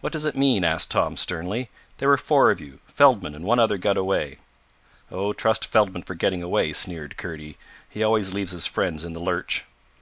"What does it mean?" asked Tom sternly. "There were four of you. Feldman and one other got away." "Oh, trust Feldman for getting away," sneered Kurdy. "He always leaves his friends in the lurch."